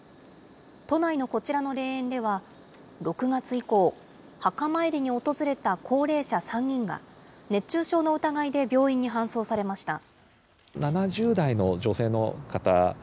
都内のこちらの霊園では、６月以降、墓参りに訪れた高齢者３人が、熱中症の疑いで病院に搬送されました。